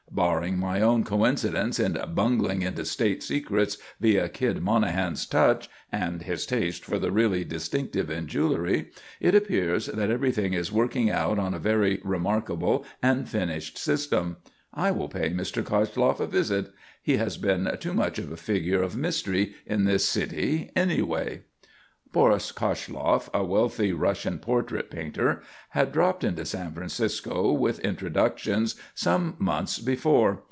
Barring my own coincidence in bungling into State secrets via 'Kid' Monahan's touch, and his taste for the really distinctive in jewelry, it appears that everything is working out on a very remarkable and finished system. I shall pay Mr. Koshloff a visit. He has been too much of a figure of mystery in this city anyway." Boris Koshloff, a wealthy Russian portrait painter, had dropped into San Francisco with introductions, some months before.